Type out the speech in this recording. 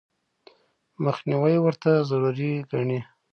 مخنیوي ورته ضروري ګڼي.